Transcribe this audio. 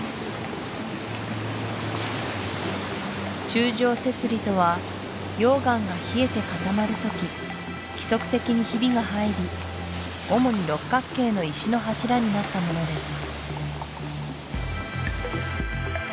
柱状節理とは溶岩が冷えて固まる時規則的にひびが入り主に六角形の石の柱になったものです